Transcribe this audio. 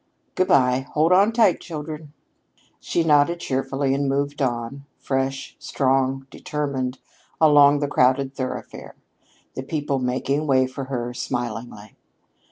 Good bye. Hold on tight, children!" She nodded cheerfully and moved on, fresh, strong, determined, along the crowded thoroughfare, the people making way for her smilingly.